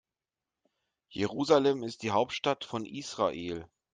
Jerusalem ist die Hauptstadt von Israel.